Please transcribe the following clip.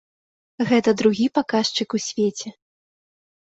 Гэта другі паказчык у свеце.